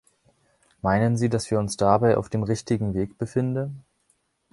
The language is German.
Meinen Sie, dass wir uns dabei auf dem richtigen Weg befinden?